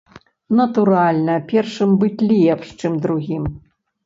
Натуральна, першым быць лепш, чым другім.